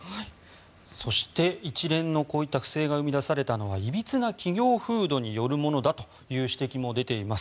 そして一連の不正が生み出されたのはいびつな企業風土によるものだという指摘も出ています。